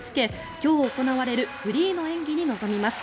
今日、行われるフリーの演技に臨みます。